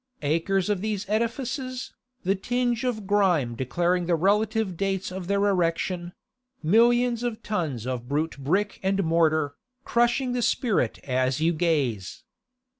Acres of these edifices, the tinge of grime declaring the relative dates of their erection; millions of tons of brute brick and mortar, crushing the spirit as you gaze.